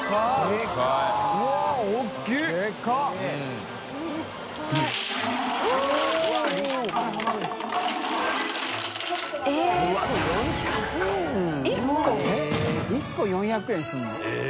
えっ１個４００円するの？